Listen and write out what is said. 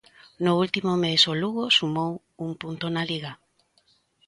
No último mes o Lugo sumou un punto na Liga.